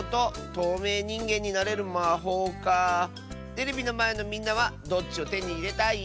テレビのまえのみんなはどっちをてにいれたい？